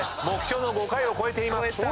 目標の５回を超えています。